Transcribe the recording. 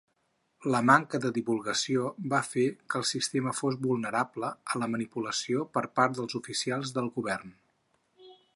La manca de divulgació va fer que el sistema fos vulnerable a la manipulació per part dels oficials del govern.